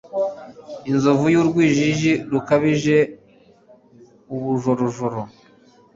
Inzovu yurwijiji rukabije ubujorojoro